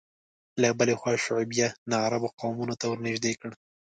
له بلې خوا شعوبیه ناعربو قومونو ته ورنژدې کړ